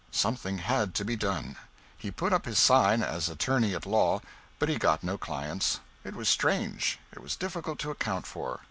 Something had to be done. He put up his sign as attorney at law, but he got no clients. It was strange. It was difficult to account for.